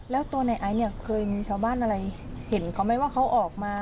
แล้วตัวในไอซ์เนี่ยเคยมีชาวบ้านอะไรเห็นเขาไหมว่าเขาออกมา